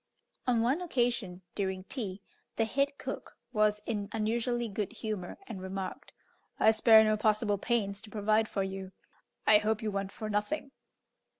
On one occasion, during tea, the head cook was in unusually good humour, and remarked, "I spare no possible pains to provide for you. I hope you want for nothing."